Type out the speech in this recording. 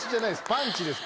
パンチです。